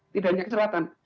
tidak hanya ke selatan